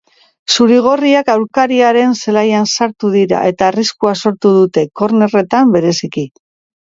Zuri-gorriak aurkariaren zelaian sartu dira, eta arriskua sortu dute, kornerretan bereziki.